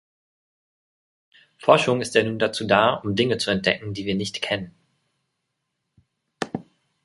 Forschung ist ja nun dazu da, um Dinge zu entdecken, die wir nicht kennen.